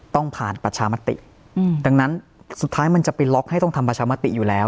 ต้องผ่านประชามติดังนั้นสุดท้ายมันจะไปล็อกให้ต้องทำประชามติอยู่แล้ว